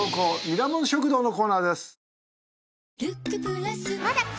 ミラモン食堂のコーナーです。